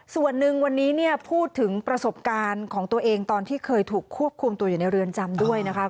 ส่วนหนึ่งวันนี้เนี่ยพูดถึงประสบการณ์ของตัวเองตอนที่เคยถูกควบคุมตัวอยู่ในเรือนจำด้วยนะคะ